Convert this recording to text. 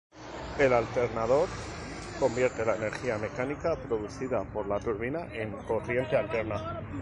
El alternador convierte la energía mecánica producida por la turbina en corriente alterna.